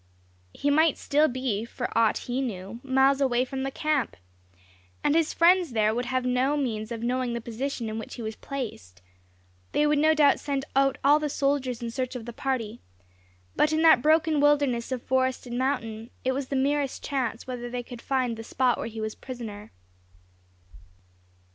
He might still be, for aught he knew, miles away from the camp, and his friends there would have no means of knowing the position in which he was placed. They would no doubt send out all the soldiers in search of the party; but in that broken wilderness of forest and mountain, it was the merest chance whether they would find the spot where he was prisoner.